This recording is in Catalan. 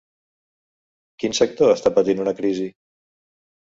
Quin sector està patint una crisi?